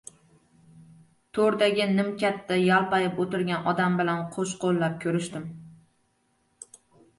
To‘rdagi nimkatda yalpayib o‘tirgan odam bilan qo‘shqo‘llab ko‘rishdim.